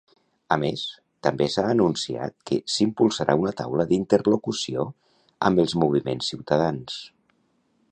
A més, també s'ha anunciat que s'impulsarà una taula d'interlocució amb els moviments ciutadans.